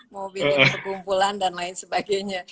mau bikin pergumpulan dan lain sebagainya